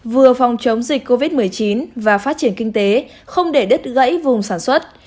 vừa phòng chống dịch covid một mươi chín và phát triển kinh tế không để đứt gãy vùng sản xuất